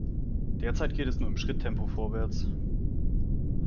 Derzeit geht es nur im Schritttempo vorwärts.